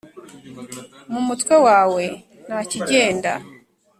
mu mutwe wawe ntakigenda